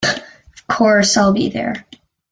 Of course, I’ll be there!